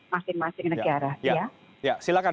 masih masih nek kiara